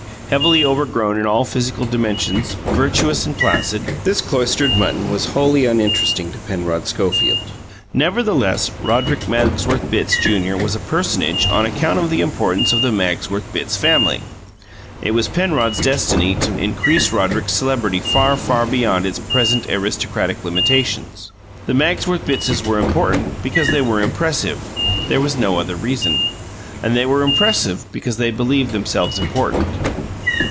Heavily overgrown in all physical dimensions, virtuous, and placid, this cloistered mutton was wholly uninteresting to Penrod Schofield. Nevertheless, Roderick Magsworth Bitts, Junior, was a personage on account of the importance of the Magsworth Bitts family; and it was Penrod's destiny to increase Roderick's celebrity far, far beyond its present aristocratic limitations. The Magsworth Bittses were important because they were impressive; there was no other reason. And they were impressive because they believed themselves important.